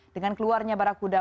dengan keluarnya barakuda